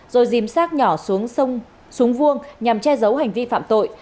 rồi dìm xác nhỏ xuống vuông nhằm che giấu hành vi phạm tội